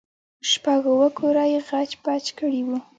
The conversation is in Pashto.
شپږ اوه كوره يې خچ پچ كړي وو.